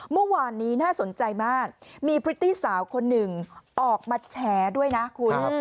เมื่อวานนี้น่าสนใจมากมีพริตตี้สาวคนหนึ่งออกมาแฉด้วยนะคุณ